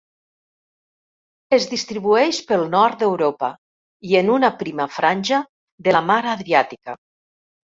Es distribueix pel nord d'Europa i en una prima franja de la mar Adriàtica.